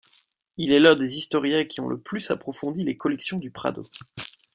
Il est l'un des historiens qui ont le plus approfondi les collections du Prado.